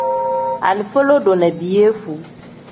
Alifa lodo ni piyefuu.